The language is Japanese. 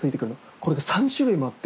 これが３種類もあって。